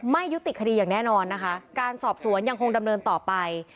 ไม่ยุติคดีอย่างแน่นอนนะคะการสอบสวนยังคงดำเนินต่อไป